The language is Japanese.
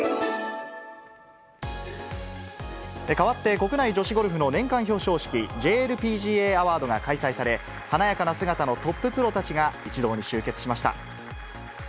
かわって、国内女子ゴルフの年間表彰式、ＪＬＰＧＡアワードが開催され、華やかな姿のトッププロたちが一堂に集結しました。